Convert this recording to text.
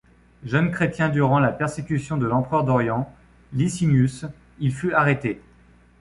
Jeune chrétien durant la persécution de l'empereur d'Orient, Licinius, il fut arrêté.